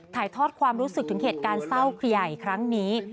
ถ่ายทอดความรู้สึกถึงเหตุการณ์เศร้าขยัยครั้งนี้